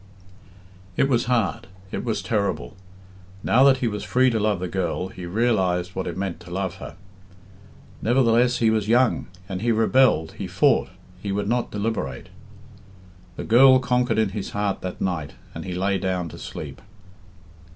It was hard it was terrible. Now that he was free to love the girl, he realised what it meant to love her. Nevertheless he was young, and he rebelled, he fought, he would not deliberate, The girl conquered in his heart that night, and he lay down to sleep.